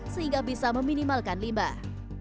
sehingga bisa meminimalkan limbah